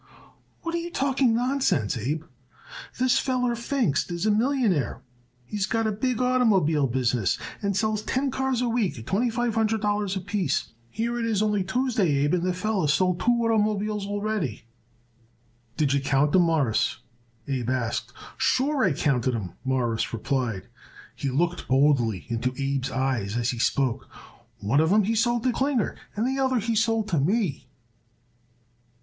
"What are you talking nonsense, Abe? This feller, Pfingst, is a millionaire. He's got a big oitermobile business and sells ten cars a week at twenty five hundred dollars apiece. Here it is only Tuesday, Abe, and that feller sold two oitermobiles already." "Did you count 'em, Mawruss?" Abe asked. "Sure, I counted 'em," Morris replied. He looked boldly into Abe's eyes as he spoke. "One of 'em he sold to Sol Klinger and the other he sold to me."